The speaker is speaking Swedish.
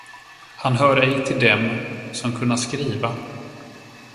Han hör ej till dem, som kunna skriva.